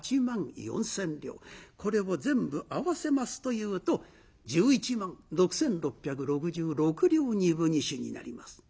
これを全部合わせますというと１１万６，６６６両２分２朱になります。